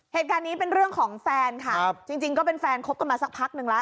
เหตุการณ์นี้เป็นเรื่องของแฟนค่ะจริงก็เป็นแฟนคบกันมาสักพักนึงแล้ว